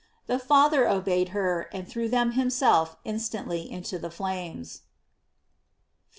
The Father obeyed her, and threw them himself instantly into the flames.* 50.